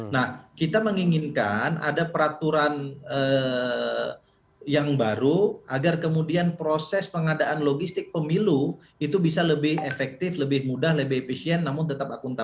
nah kita menginginkan ada peraturan yang baru agar kemudian proses pengadaan logistik pemilu itu bisa lebih efektif lebih mudah lebih efisien namun tetap akuntabel